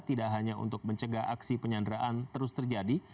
tidak hanya untuk mencegah aksi penyanderaan terus terjadi